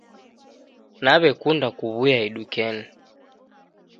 Nawe'kunda kuw'uya idukenyi.